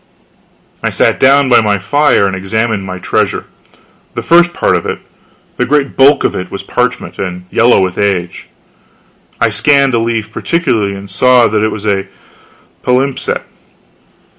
I sat down by my fire and examined my treasure. The first part of it the great bulk of it was parchment, and yellow with age. I scanned a leaf particularly and saw that it was a palimpsest.